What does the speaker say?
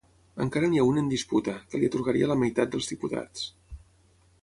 Encara n’hi ha un en disputa, que li atorgaria la meitat dels diputats.